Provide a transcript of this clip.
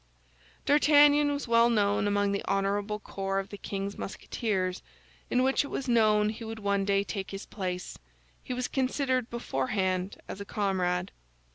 D'Artagnan was well known among the honorable corps of the king's Musketeers, in which it was known he would one day take his place; he was considered beforehand as a comrade.